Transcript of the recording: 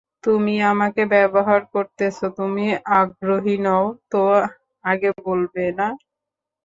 তুমি আমাকে ব্যবহার করতেছো তুমি আগ্রহী নও তো আগে বলবে না?